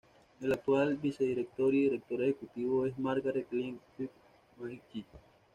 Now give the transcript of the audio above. El actual vicedirector y director ejecutivo es Margaret Leung Ko May Yee.